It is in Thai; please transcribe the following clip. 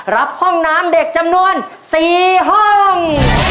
รับห้องน้ำเด็กจำนวน๔ห้อง